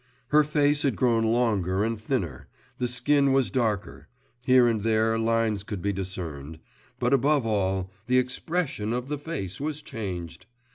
Her face had grown longer and thinner, the skin was darker, here and there lines could be discerned; but, above all, the expression of the face was changed!